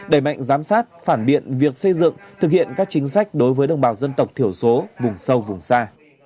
đẩy mạnh giám sát phản biện việc xây dựng thực hiện các chính sách đối với đồng bào dân tộc thiểu số vùng sâu vùng xa